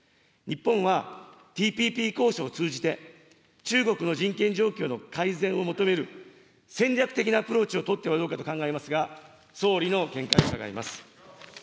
日本はＴＰＰ交渉を通じて、中国の人権状況の改善を求める戦略的なアプローチを取ってはどうかと考えますが、総理の見解を伺います。